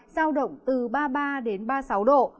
giao động từ ba mươi ba đến ba mươi sáu độ